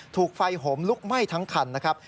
ถูกไฟห่มลุกไหม้ทั้งคันนะครับ